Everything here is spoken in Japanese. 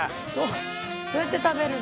どうやって食べるの？